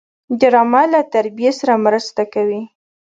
ډرامه له تربیې سره مرسته کوي